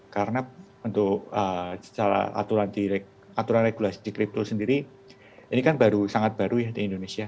karena untuk aturan regulasi di kripto sendiri ini kan sangat baru di indonesia